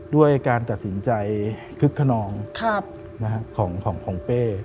ด้วยการตัดสินใจคึกขนองของเป้